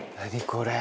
これ。